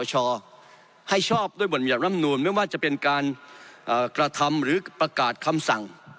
ให้ชอบด้วยบทบรรยัติร่ำนูนไม่ว่าจะเป็นการกระทำหรือประกาศคำสั่ง